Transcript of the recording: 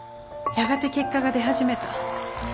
やがて結果が出始めた。